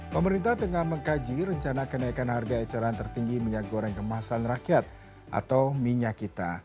pemerintah tengah mengkaji rencana kenaikan harga eceran tertinggi minyak goreng kemasan rakyat atau minyak kita